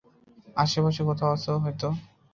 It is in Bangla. আশেপাশে কোথাও আছে হয়তো।